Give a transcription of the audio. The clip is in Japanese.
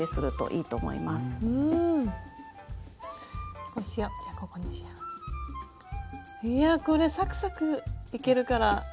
いやこれサクサクいけるから。